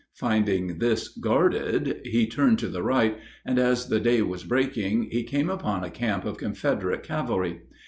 Finding this guarded, he turned to the right, and as the day was breaking he came upon a camp of Confederate cavalry.